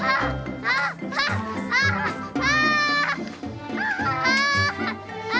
gue tau gimana yang banyak ya